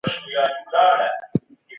دا کتاب يوه کلاسيکه څېړنه ده.